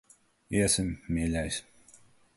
Iesim, mīļais.